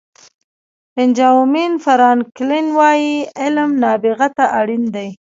بینجامین فرانکلن وایي علم نابغه ته اړین دی.